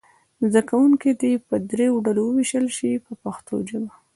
زده کوونکي دې په دریو ډلو وویشل شي په پښتو ژبه.